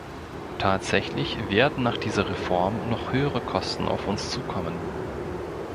Tatsächlich werden nach dieser Reform noch höhere Kosten auf uns zukommen.